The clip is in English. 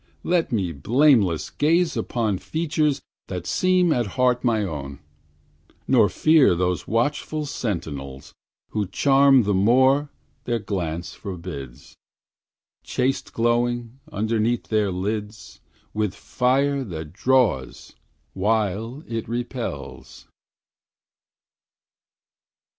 let me blameless gaze upon Features that seem at heart my own; Nor fear those watchful sentinels, Who charm the more their glance forbids, Chaste glowing, underneath their lids, With fire that draws while it repels.